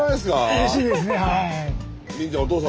うれしいですね。